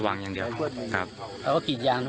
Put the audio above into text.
ระวังอย่างเดียวครับครับแล้วก็กินยาง